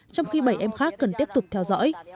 trong khi bảy em khác cần tiếp tục theo dõi